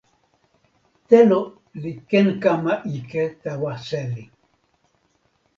telo li ken kama ike tawa seli.